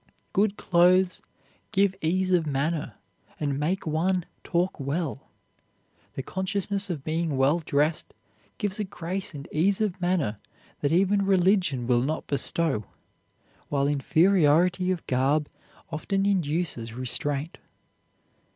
Good clothes give ease of manner, and make one talk well. The consciousness of being well dressed gives a grace and ease of manner that even religion will not bestow, while inferiority of garb often induces restraint.